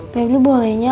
peblu bole nya